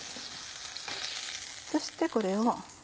そしてこれを。